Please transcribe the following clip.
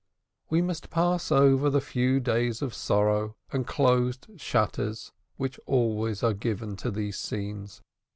We must pass over the few days of sorrow, and closed shutters, which always are given to these scenes.